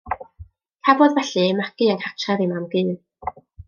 Cafodd, felly, ei magu yng nghartref ei mam-gu.